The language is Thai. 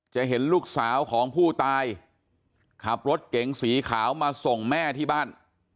จะเห็นลูกสาวของผู้ตายขับรถเก๋งสีขาวมาส่งแม่ที่บ้าน